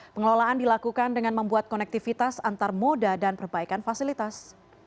pengelolaan dilakukan dengan membuat konektivitas antar moda dan perbaikan fasilitas